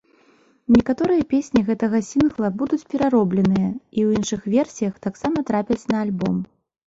Некаторыя песні гэтага сінгла будуць пераробленыя, і ў іншых версіях таксама трапяць на альбом.